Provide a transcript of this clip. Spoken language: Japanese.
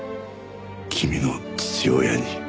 君の父親に。